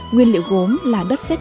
nguyên liệu gốm là đất xét trẻ